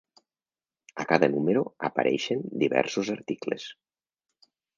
A cada número apareixen diversos articles.